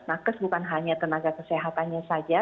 nakes bukan hanya tenaga kesehatannya saja